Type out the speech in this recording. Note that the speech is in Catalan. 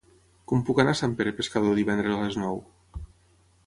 Com puc anar a Sant Pere Pescador divendres a les nou?